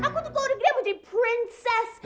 aku tuh udah gede mau jadi prinses